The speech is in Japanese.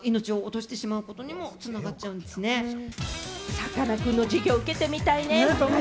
さかなクンの授業を受けてみたいよね。